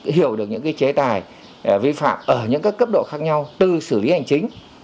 hiểu được những chế tài vi phạm ở những cấp độ khác nhau từ xử lý hành chính